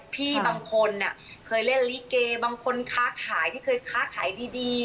พี่บางคนเคยเล่นลิเกบางคนค้าขายที่เคยค้าขายดี